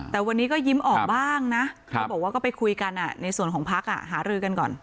แต่วันนี้ก็ยิ้มออกบ้างนะเขาบอกว่าก็ไปคุยกันในส่วนของพักหารือกันก่อน